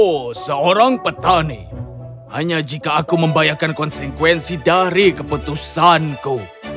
oh seorang petani hanya jika aku membayarkan konsekuensi dari keputusanku